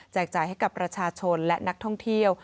จ่ายให้กับประชาชนและนักท่องเที่ยว